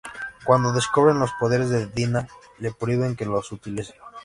Cuando descubren los poderes de Dina, le prohíben que los utilice.